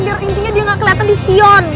biar intinya dia ga keliatan di skion